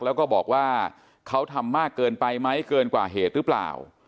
แล้วก็บอกว่าเขาทำมากเกินไปไหมเกินกว่าเหตุหรือเปล่า